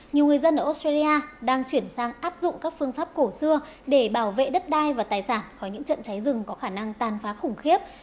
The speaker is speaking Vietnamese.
nhiều người dân ở australia đang chuyển sang áp dụng các phương pháp cổ xưa để bảo vệ đất đai và tài sản khỏi những trận cháy rừng có khả năng tàn phá khủng khiếp